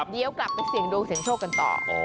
เดี๋ยวกลับไปเสี่ยงดวงเสียงโชคกันต่อ